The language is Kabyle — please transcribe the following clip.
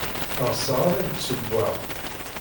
Ɣseɣ ad ak-d-ssewweɣ.